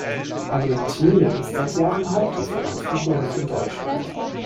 Argentinien ist seit Jahren Hauptlieferant für Honig in Deutschland.